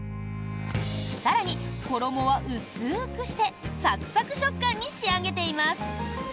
更に、衣は薄くしてサクサク食感に仕上げています。